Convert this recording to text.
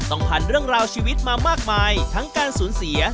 ผ่านเรื่องราวชีวิตมามากมายทั้งการสูญเสีย